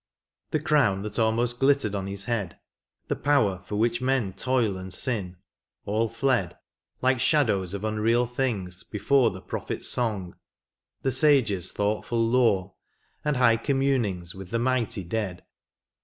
The crown that almost glittered on his head. The power for which men toil and sin, all fled, Like shadows of unreal things, before The prophet's song, the sage's thoughtful lore. And high communings with the mighty dead.